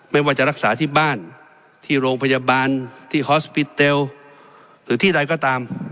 ไม่ว่าจะรักษาที่บ้านที่โรงพยาบาลที่ฮอสปิเตลหรือที่ใดก็ตาม